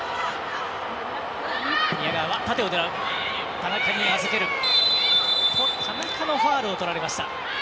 田中のファウルをとられました。